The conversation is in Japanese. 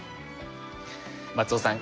松尾さん